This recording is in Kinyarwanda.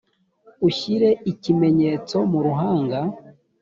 ushyire ikimenyetso mu ruhanga